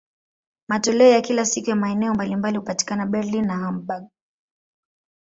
Matoleo ya kila siku ya maeneo mbalimbali hupatikana Berlin na Hamburg.